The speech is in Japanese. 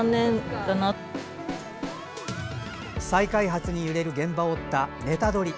再開発に揺れる現場を追った「ネタドリ！」。